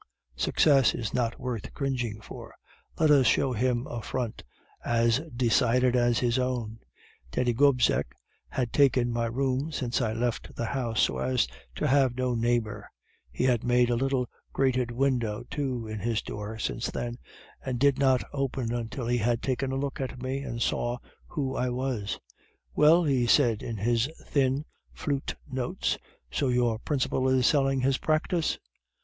Success is not worth cringing for; let us show him a front as decided as his own.' "Daddy Gobseck had taken my room since I left the house, so as to have no neighbor; he had made a little grated window too in his door since then, and did not open until he had taken a look at me and saw who I was. "'Well,' said he, in his thin, flute notes, 'so your principal is selling his practice?